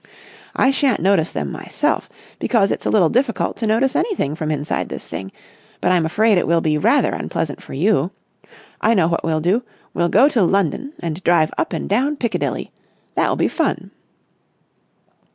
I shan't notice them myself because it's a little difficult to notice anything from inside this thing, but I'm afraid it will be rather unpleasant for you.... I know what we'll do. We'll go to London and drive up and down Piccadilly! That will be fun!"